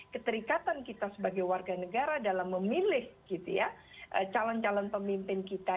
keterikatan kita sebagai warga negara dalam memilih calon calon pemimpin kita